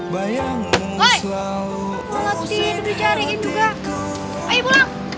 biar alati untuk hidupku